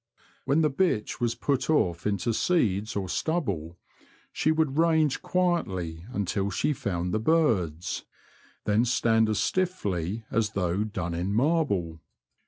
When the bitch was put off into seeds or stubble she would range quietly until she found the birds, then stand as The Confessions of a Poacher. 55 stiffly as though done in marble.